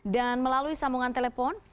dan melalui sambungan telepon